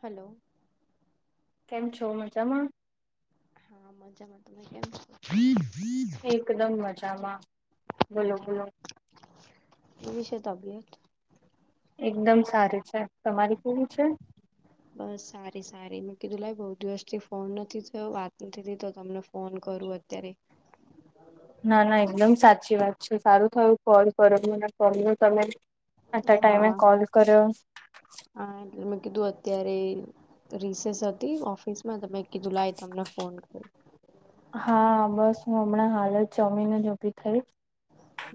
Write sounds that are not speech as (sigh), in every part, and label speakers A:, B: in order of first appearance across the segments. A: Hello.
B: કેમ છો મજામાં.
A: હા મજામાં તમે કેમ છે.
B: એકદમ મજામાં બોલો
A: મજા
B: બોલો.
A: કેવી છે તબિયત.
B: એકદમ સારી છે તમારે કેવી છે.
A: (unintelligible) બસ સારી સારી મેં કીધું લાઈ બહુ દિવસ થી ફોન નથી થઈ વાત નથી થતો તમને. ફોન કરું અત્યારે.
B: ના ના એકદમ સાચી વાત છે સારું થયું કોલ કરો મને કો તમે. આટલા ટાઈમે
A: હા
B: કોલ કર્યો.
A: હા એટલે મેં કીધું અત્યારે. રિસેસ હતી ઓફિસ માં તમે કીધું લાય તમને ફોન કરું.
B: હા બસ હું હમણાં હાલ જ જમીને જ ઊભી થઈ.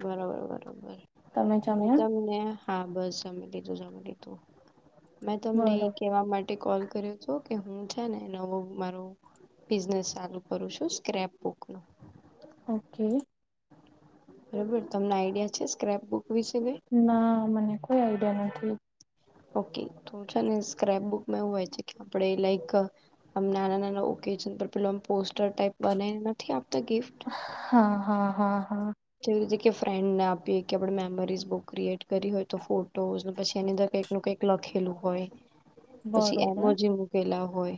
A: બરોબર બરોબર
B: તમે
A: હું
B: જમ્યા?
A: તમને હા બસ જમી લીધુ જમી લીધું. મેં તમને
B: બરોબર
A: કેવા માટે કોલ કર્યો. જોકે હું છે ને નવો મારો બિઝનેસ ચાલુ કરું છું સ્ક્રેપ બુક નું.
B: ઓકે.
A: બરાબર તમને આઈડિયા છે સ્ક્રેપ બુક વિશે કઈ.
B: ના મને કોઈ આઈડિયા નથી.
A: ઓકે તો છે ને સ્ક્રેપ બુકમાં એવું છે કે આપણે લાઈક. આમ નાના નાના ઓકેજન પર પેમ પોસ્ટર ટાઈપ બનાવીને નથી આપતા ગિફ્ટ.
B: હા હા હા હા.
A: જેવી રીતે કે ફ્રેન્ડને આપીએ કે આપણે મેમરીઝ બુક ક્રિએટ કરી હોય તો ફોટોઝને પછી એની અંદર કઈક કંઈક લખેલું હોય. પછી
B: બરોબર
A: એમોજી મૂકેલા હોય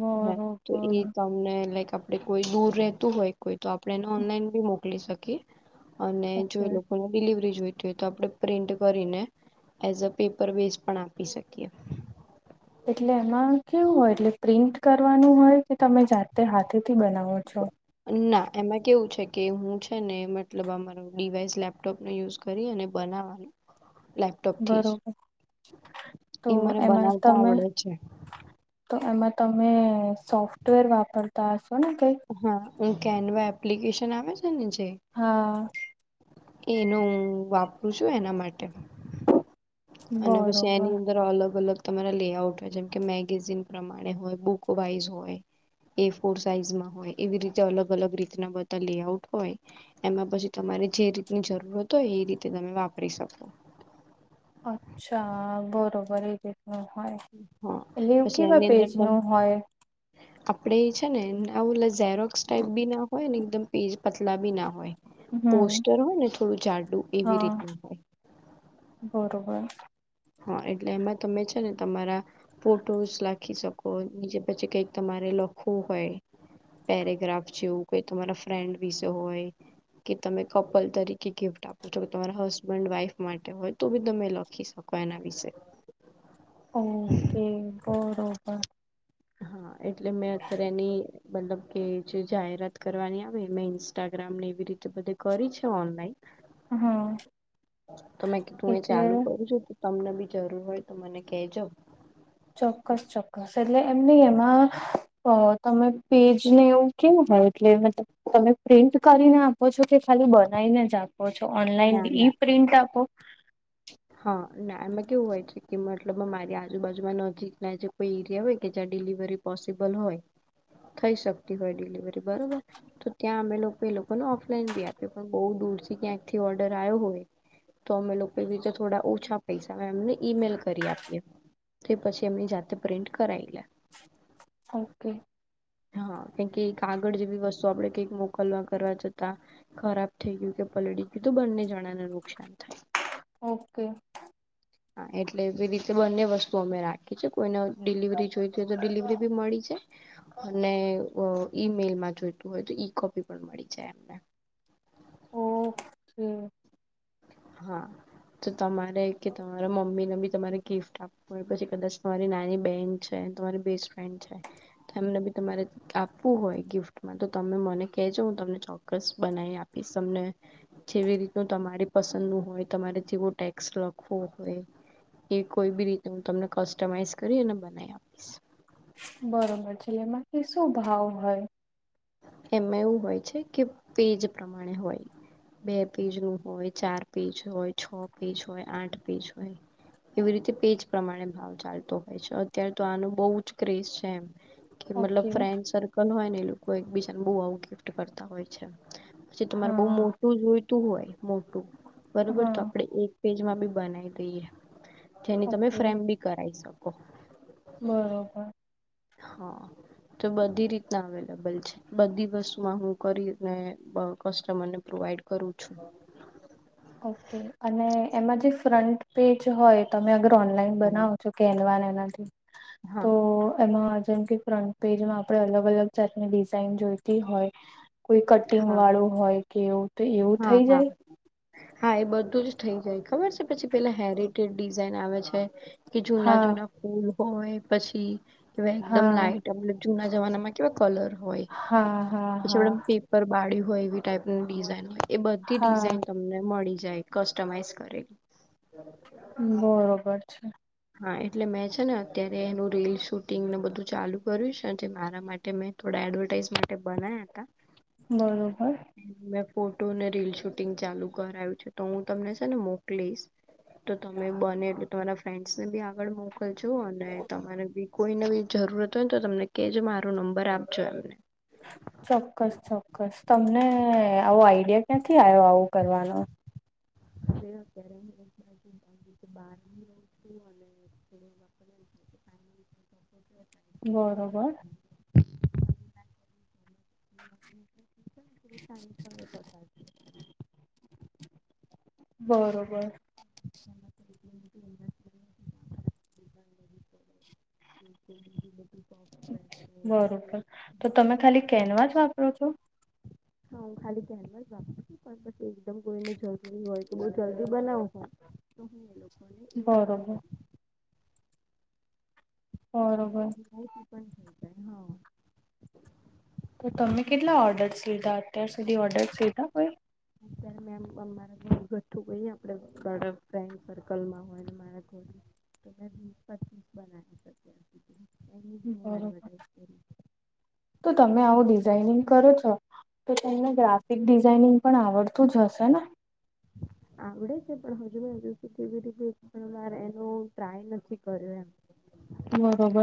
B: બરોબર
A: હા તો એ કામ ને લાઈક આપણે કોઈ દૂર રહેતું હોય કોઈ તો આપણે એને ઓનલાઈન બી મોકલી શકીએ. અને જો
B: ઓકે.
A: એ લોકોને ડિલિવરી જોઈતી હોય તો આપણે પ્રિન્ટ કરીને. એઝ અ પેપર બેઝ પણ આપી શકીએ.
B: એટલે એમાં કેવું હોય એટલે પ્રિન્ટ કરવાનું હોય કે તમે જાતે હાથેથી બનાવો છો.
A: ના એમાં કેવું છે કે હું છે ને મતલબ અમારો ડિવાઈસ લેપટોપ ને યુઝ કર કરી અને બનાવાનું લેપ ટોપ થી જ
B: બરોબર તો
A: એ મને
B: એમાં
A: બનાવતા
B: તમે
A: આવડે છે.
B: તો એમાં તમે સોફ્ટવેર વાપરતા હશો ને કઈ.
A: હા હું કેનવા એપ્લિકેશન આવે ને જે.
B: હા.
A: એનો હું વાપરું છું એના માટે. અને પછી
B: બરોબર
A: એની અંદર અલગ અલગ તમારા લેઆઉટ હોય જેમ કે મેગેઝિન પ્રમાણે હોય બુક વાઈઝ હોય. એ ફોર સાઈઝમાં હોય એવી રીતે અલગ અલગ રીતના બધા લેઆઉટ હોય. એમાં પછી તમારે જે રીતની જરૂરત હોય એ રીતે તમે વાપરી શકો.
B: અચ્છા બરોબર. હોય
A: હા
B: (unintelligible) કેવા પેજ નું હોય
A: આપણે એ છે ને આવું ઓલા ઝેરોક્સ ટાઈપ બી ના હોય. હોય ને એકદમ પેજ પતલા બી ના હોય
B: હમ
A: પોસ્ટર હોય ને થોડું જાડું એવી
B: હા
A: રીતના હોય.
B: બરોબર.
A: હા એટલે એમાં તમે છે ને તમારા ફોટોસ રાખી શકો નીચે પછી કઈક તમારે લખવું હોય. પેરેગ્રાફ જેવું કોઈ તમારા ફ્રેન્ડ વિશે હોય. કે તમે કપલ તરીકે ગિફ્ટ આપો છો, કે તમારા હસબન્ડ વાઈફ માટે હોય તો ભી તમે લખી શકો. કોના વિશે,
B: (unintelligible)
A: હા એટલે મેં અત્યારે એની, મતલબ કે જે જાહેરાત કરવાની આવે મેં ઇન્સ્ટાગ્રામ ને એવી રીતે બધે કરી છે, ઓનલાઈન
B: હા
A: તમેં કી તું એ
B: એટલે
A: ચાલુ કરું છું, તમને ભી જરૂર હોય તો મને કેજો.
B: ચોક્કસ ચોક્કસ એટલે એમ નહીં એમાં તમે. પેજને એવું કેવું હોય એટલે મતલબ, તમે પ્રિન્ટ કરીને આપો છો કે ખાલી બનાવીને જ આપો. ઓછી ઓનલાઈન
A: ના
B: ઈ
A: ના
B: પ્રિન્ટ આપો,
A: હા ના એમાં કેવું હોય છે, કે મતલબ મારી આજુબાજુમાં નજીક છે. કોઈ એરિયા હોય કે જ્યાં ડિલિવરી પોસિબલ હોય થઈ શકતી હોય ડિલિવરી બરોબર, તો ત્યાં અમે લોકો એ લોકોને ઓફલાઈન ભી આપી પણ બહુ દૂરથી ક્યાંક થી ઓર્ડર આવ્યો હોય, અમે લોકો એ રીતે થોડા ઓછા પૈસા એમને ઈમેલ કરી આપીએ, તો પછી એમની જાતે પ્રિન્ટ કરાવી લે,
B: ઓકે.
A: હા કે કે આગળ જેવી વસ્તુ આપણે કંઈક મોકલવા કરવા જતા, ખરાબ થઈ ગયું કે પલળી ગયું તો બંને જણાને નુકસાન થાય,
B: ઓકે.
A: હા એટલે એ રીતે બંને વસ્તુ અમે રાખી છે, કોઈને ડિલિવરી જોઈતી હોય તો ડિલિવરી ભી મળી જાય. અને અ.. ઈમેલમાં જોઈતું હોય, તો ઈ કોપી પણ મળી જાય એમને
B: ઓકે
A: હા તો તમારે કે તમારા મમ્મીને ભી તમારે ગિફ્ટ આપવું હોય, પછી કદાચ તમારી નાની બહેન છે, તમારી બેસ્ટ ફ્રેન્ડ છે, એમને ભી તમારે આપવું હોય, ગિફ્ટમાં તો તમે મને કહેજો, હું તમને ચોક્કસ બનાવી આપીશ, તમને જેવી રીતનું તમારી પસંદનું હોય, તમારે જેવો ટેક્સ લખવો હોય એ કોઈ બી રીતે હું તમને કસ્ટમાઈઝ કરી અને બનાવી આપીશ.
B: બરોબર છે, લે એમાંથી શું ભાવ હોય?
A: એમાં એવું હોય છે, કે પેજ પ્રમાણે હોય બે પેજો હોય, ચાર પેજ હોય, છ પેજ હોય, આઠ પેજ હોય. આવી રીતે પેજ પ્રમાણે ભાવ ચાલતો હોય છે, અત્યારે તો આનો બહુ જ ક્રેઝ છે, એમ કે
B: ઓકે
A: મતલબ ફ્રેન્ડ સર્કલ હોય ને, એ લોકો એક-બીજાને બહુ આવું ગિફ્ટ કરતા હોય. પછી તમારે બઉ
B: હા
A: મોટું જોઈતું હોય, મોટું બરોબર
B: હા
A: તો આપડે એક પેજમાં ભી બનાવી દઈએ, જેની તમે
B: ઓકે
A: ફ્રેમ ભી કરાઈ શકો.
B: બરોબર
A: હા તો બધી રીતના અવેલેબલ છે, બધી વસ્તુમાં હું કરીને અ, કસ્ટમરને પ્રોવાઈડ કરું છું.
B: ઓકે અને એમાં જે ફ્રન્ટ પેજ હોય, તમે અગર ઓનલાઈન બનાવો જો કેનવા એનાથી,
A: હા
B: તો એમાં જેમ કે ફ્રન્ટ પેજમાં આપણે અલગ-અલગ જાતની જોઈતી હોય કોઈ કટિંગ વાળું હોય કેવું
A: હા-હા હા, એ બધું જ થઇ જાય, ખબર છે પછી પેલા હેરિટેજ ડિઝાઇન આવે છે. કે
B: હા
A: જૂના-જૂના ફૂલ હોય, પછી એવા એકદમ
B: હા
A: લાઈટ આપડે જૂના જમાનામાં કેવા કલર હોય,
B: હા હા
A: પછી
B: હા
A: આપડે પી પર પાડી હોય એવી ટાઈપનું ડિઝાઇન હોય, એ બધી
B: હા
A: ડિઝાઇન તમને મળી જાય, કસ્ટમાઈઝ કરેલી (inaudible)
B: બરોબર છે.
A: હા, એટલે મેં છે ને અત્યારે એનું રીલ શૂટિંગ ને બધું ચાલુ કર્યું છે, જે મારા માટે મેં થોડા એડવરટાઈઝ માટે બનાયા તા
B: બરોબર
A: મેં ફોટો ને રીલ શૂટિંગ ચાલુ કરાયું છે, તો હું તમને છે ને મોકલીશ તો તમે બને એટલુ તમારા ફ્રેન્ડ્ સ ને બી આગળ મોકલજો અને તમારે બી કોઈને બી જરૂરત હોય ને તો તમને કેજો મારો નંબર આપજો એમને
B: ચોક્કસ-ચોક્કસ, તમને.. આવો આઈડિયા ક્યાંથી આયો આવું કરવાનો?
A: હું અત્યારે (unintelligible) બાર છું અને નીકળું એટલે (inaudible)
B: બરોબર
A: (unintelligible)
B: બરોબર
A: બીજું બધું
B: બરોબર તો તમે ખાલી કેનવા જ વાપરો છો?
A: હા હું ખાલી કેનવા જ વાપરુ છું. પણ પછી એકદમ કોઈને જરૂરી હોય તો બહુ જલ્દી બનાવ હોય તો હું એ લોકો
B: બરોબર બરોબર
A: ઈ પણ થઈ જાય. હા
B: તો તમે કેટલા ઓડર્સ લીધા? અત્યાર સુધી ઓડર્સ લીધું કોઈ?
A: (inaudible) ત્યારે મેમ અમારે ઘરગથ્થુ કહીએ આપડ (unintelligible) ફ્રેન્ડસર્કલમાં હોયને મારા ઘરે (unintelligible) પછી જ બનાવી શકીએ
B: બરોબર તો તમે આવું ડિઝાઇનિંગ કરો છો? તો તમને
A: હા
B: ગ્રાફિક ડિઝાઇનિંગ પણ આવડતું જ હશે ને?
A: (inaudible) આવડે છે પણ હજુ મેં હજી સુધી (unintelligible) એક પણ વાર એનું ટ્રાય નથી કર્યું એમ
B: બરોબર,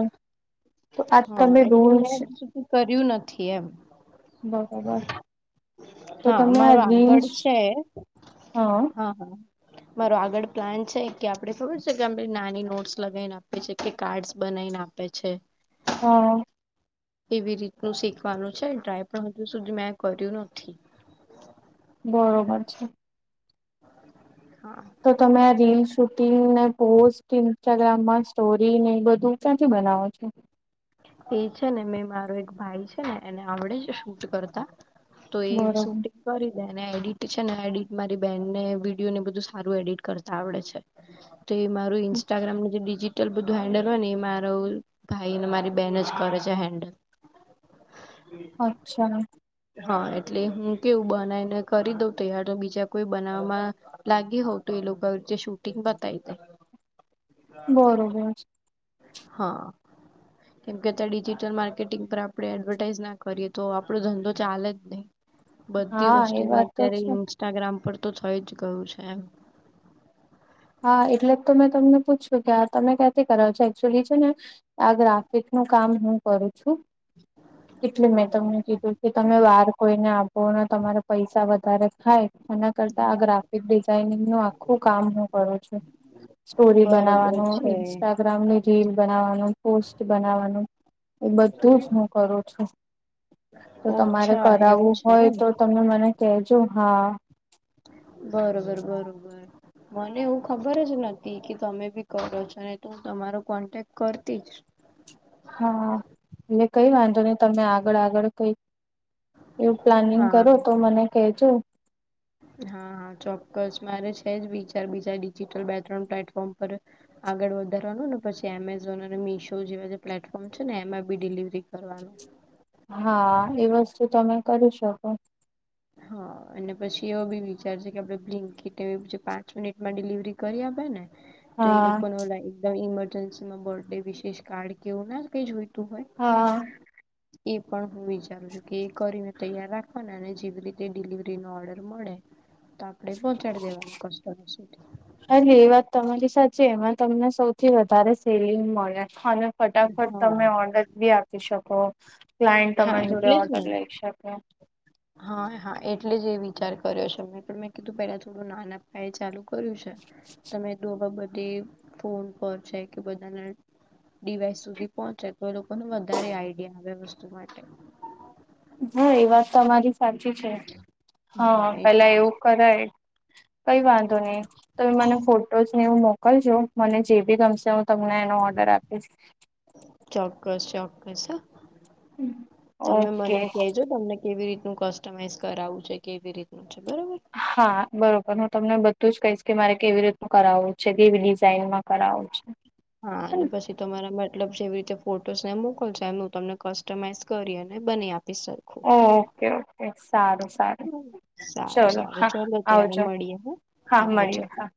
B: તો આજ
A: હા
B: તમે
A: એટલે
B: રોજ
A: મેં હજુ સુધી કર્યું નથી એમ
B: બરોબર તો
A: હા,
B: તમે આ
A: મારું આંગળ
B: રીલ્સ
A: છે, હા આ. મારો આગળ પ્લાન છે કે આપડે ખબર છે કે આ નાની નોટ્સ લગાઇને આપીએ છીએ કે કાર્ડ્સ બનાઇને આ પીએ છે.
B: હ‌હ અ
A: એવી રીતનું શીખવાનું છેને ટ્રાય પણ હજુ સુધી મેં કર્યું નથી.
B: બરોબર છે.
A: હા.
B: તો તમે આ રીલ, શૂટિંગને પોસ્ટિંગ ઇન્સ્ટાગ્રામમાં સ્ટોરીને એ બધું ક્યાંથી બનાવો છો?
A: એ છે ને મેં મારો એક ભાઈ છે ને એને આવડે જ શૂટ કરતા તો એ
B: બરોબર
A: શૂટિંગ કરી દે ને એડિટ છે ને એડિટ મારી બેહેનને વિડીયોને એ બધું સારું એડિટ કરતાં આવડે છે તો એ મારું ઇન્સ્ટાગ્રામ જે ડિજિટલ બધું હેન્ડલ હોયને એ મારો ભાઈને મારી બેન જ કરે છે હેન્ડલ.
B: અચ્છા.
A: હા એટલે હું કેવું બનાઈને કરી દઉં તૈયાર તો બીજા કોઈ બનાવમાં લાગી હોઉં તો એ લોકો વરચે શૂટિંગ બતાઈ દે
B: બોરોબર
A: હ અ કેમ કે અત્યારે ડિજિટલ માર્કેટિંગ પર આપડે એડવર્ટાઈઝ ના કરીએ તો આપડો ધંધો ચાલે જ નઈ. બધી
B: હા એ
A: વસ્તુમાં
B: વાત તો
A: અત્યારે
B: છે
A: ઇન્સ્ટાગ્રામ પર તો થઈ જ ગયું છે એમ.
B: હા એટલે તો મેં તમને પૂછ્યું કે આ તમે ક્યાંથી કરો છો એકચુઅલી છે ને આ ગ્રાફિકનું કામ હું કરું છું એટલે
A: હા
B: મેં તમને કીધું કે તમે વાર કોઈને આપો ને તમારે પૈસા વધારે થાય એના કરતા આ ગ્રાફિક ડિઝઇનિંગનું આખું કામ હું કરું છું સ્ટોરી
A: બરોબર બરોબર
B: બનાવાનું,
A: છે
B: ઇન્સ્ટાગ્રામની રીલ બનાવવાનું, પોસ્ટ બનાવાનું. એ બધુજ મું કરું છું તો તમારે
A: ઓછા એવું
B: કરાવું
A: છે
B: હોય
A: એમ
B: તો તમે મને કેજો હા.
A: બરોબર, બરોબર. મને એવું ખબર જ નતિ કે તમે બી કરો છો નહીતો હું તમારો કોન્ટેક્ટ કરતી જ.
B: હા એટલે કઈ વાંધો નહી તમે આગળ આગળ કઈ એવું પ્લાનિંગ
A: હા
B: કરો તો મને કેજો.
A: (inaudible) હા, હા ચોક્કસ મારે છે જ વિચાર બીજા ડિજિટલ બે ત્રણ પ્લેટફોર્મ પર. આગળ વધારવાનું ને પછી એમેઝોન અને મીશો જેવા જે પ્લેટફોર્મ છે ને એમાં બી ડિલિવરી કરવાનું.
B: હા એ વસ્તુ તમે કરી શકો.
A: હા અને પછી એવો બી વિચાર છે કે આપડે બ્લિંકટ એવી જે પાંચ મિનિટમાં ડિલિવરી કરી આપે ને તો એ
B: હા
A: લોકોને ઓલા એકદમ ઈમરજન્સી માં બર્થ ડે વિશિષ કાર્ડ કે એવું ના કઈ જોયતું હોય.
B: હા.
A: એ પણ હું વિચારું છું કે એ કરીને તૈયાર રાખવાના અને જેવી (unintelligible) ડિલિવરી નો ઓર્ડર મળે તો આપડે પહોંચાડી દેવાનું કસ્ટમ સુધી.
B: અને એ વાત તમારી સાચી એમાં તમને સૌથી વધારે સેલિંગ મળે. અને ફટાફટ તમે ઓર્ડર બી આપી શકો. ક્લાયન્ટ
A: હા હા
B: તમારી
A: એટલે
B: જોડે
A: જ ને.
B: ઓર્ડર લઈ શકે.
A: હા હા એટલે જ એ વિચાર કર્યો છેં પણ મેં કીધું પેલા થોડું નાના એ ચાલુ કર્યું છે તમે તો આ બાબતે ફોન પહોંચે કે બધાના ડીવાઈસ સુધી પહોંચે તો એ લોકોને વધારે આઈડિયા આવે વસ્તુ માટે.
B: હા એ વાત તો તમારી સાચી છે હ
A: હા
B: પેલા
A: એટલે જ.
B: એવું કરાય કઈ વાંધો નઈ. તો મને ફોટોસ ને એવું મોકલ જો મને જે બી ગમશે હું તમને એનો ઓર્ડર આપીશ.
A: ચોક્કસ ચોક્કસ હ, તમે
B: ઓકે
A: મને કેજો તમને કેવી રીતનું કસ્ટમાઈઝ કરાવું છે, કેવી રીતનું છે બરોબર.
B: હા બરોબર હું તમને બધું જ કહીશ કે મારે કેવી રીતનું કરાવું છે કેવી ડિઝાઇનમાં કરાવું છે.
A: હા અને પછી તમારા મતલબ જેવી રીતે ફોટોસ ને મોકલશો એમ હું તમને કસ્ટમાઈઝ કરી અને બની આ (unintelligible)
B: ઓકે, ઓકે સારું. સારું,
A: સારું
B: ચલો
A: સારું
B: હા
A: ચલો ત્યારે
B: આવજો,
A: મળીએ હ
B: હા
A: આવજો
B: મળીએ, હા.